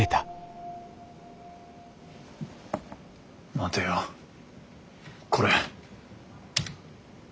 待てよこれ。